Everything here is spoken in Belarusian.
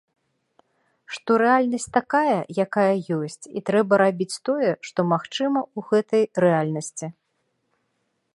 Што рэальнасць такая, якая ёсць, і трэба рабіць тое, што магчыма ў гэтай рэальнасці.